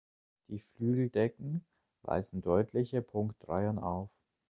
Die Flügeldecken weisen deutliche Punktreihen auf.